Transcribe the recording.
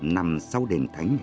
nằm sau đền thánh